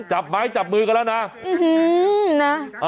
จับไม๊จับมือกันแล้วนะอื้อฮือนะเออ